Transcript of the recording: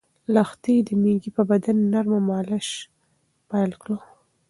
لښتې د مېږې په بدن نرمه مالش پیل کړ.